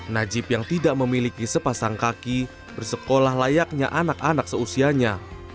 najib yang tidak memiliki sepasang kaki bersekolah layaknya anak anak seusianya